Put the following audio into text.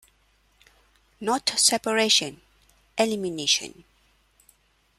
Not separation, elimination.